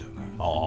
ああ